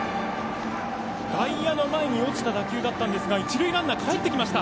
外野の前に落ちた打球だったんですが一塁ランナー、かえってきました。